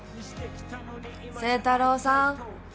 星太郎さん。